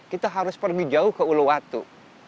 kita harus pergi jauh ke uluwatu